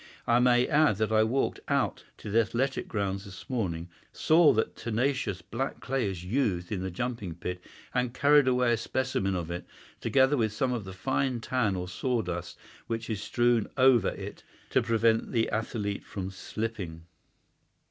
I may add that I walked out to the athletic grounds this morning, saw that tenacious black clay is used in the jumping pit, and carried away a specimen of it, together with some of the fine tan or sawdust which is strewn over it to prevent the athlete from slipping.